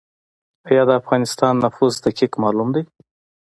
آیا د افغانستان نفوس دقیق معلوم دی؟